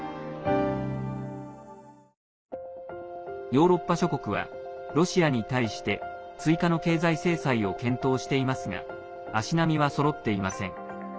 ヨーロッパ諸国はロシアに対して追加の経済制裁を検討していますが足並みはそろっていません。